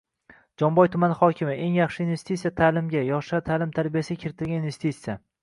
Jomboy tumani hokimi: eng yaxshi investitsiya ta’limga, yoshlar ta’lim-tarbiyasiga kiritilgan investitsiya